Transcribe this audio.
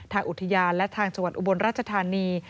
อุทยานและทางจังหวัดอุบลราชธานี